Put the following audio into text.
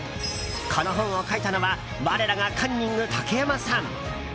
この本を書いたのは我らがカンニング竹山さん。